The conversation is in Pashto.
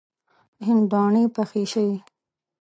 هندواڼی پخې شوې.